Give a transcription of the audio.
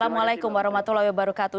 assalamualaikum warahmatullahi wabarakatuh